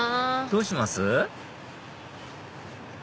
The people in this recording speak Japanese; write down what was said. どうします？